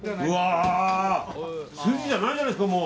すじじゃないじゃないですかもう！